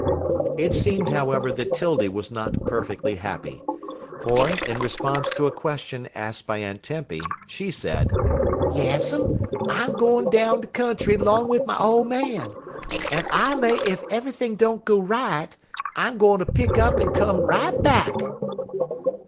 It seemed, however, that 'Tildy was not perfectly happy; for, in response to a question asked by Aunt Tempy, she said: "Yes'm, I'm gwine down de country 'long wid my ole man, an' I lay ef eve'ything don't go right, I'm gwineter pick up en come right back."